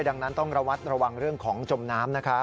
ดังนั้นต้องระวัดระวังเรื่องของจมน้ำนะครับ